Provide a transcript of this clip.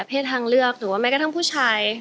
ทางเลือกหรือว่าแม้กระทั่งผู้ชาย